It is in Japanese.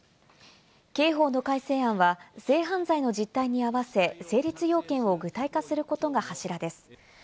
刑法の改正案は性犯罪の実態に合わせ、成立要件を具体化することが柱です。